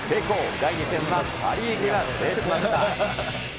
第２戦はパ・リーグが制しました。